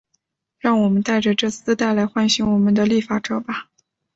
让我们戴着这丝带来唤醒我们的立法者吧。